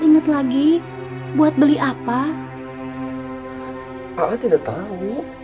silakan pilih cuma cuma enggak terserah